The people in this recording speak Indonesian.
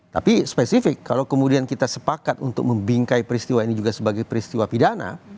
tapi spesifik kalau kemudian kita sepakat untuk membingkai peristiwa ini juga sebagai peristiwa pidana